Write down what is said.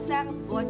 jangan kembali lagi